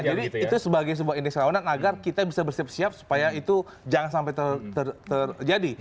jadi itu sebagai sebuah indeks rawanan agar kita bisa bersiap siap supaya itu jangan sampai terjadi